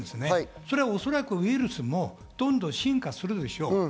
それはウイルスもどんどん進化するでしょう。